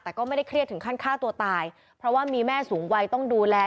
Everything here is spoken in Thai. แต่ก็ไม่ได้เครียดถึงขั้นฆ่าตัวตายเพราะว่ามีแม่สูงวัยต้องดูแล